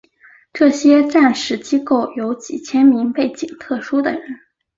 这些战时机构有几千名背景特殊的人。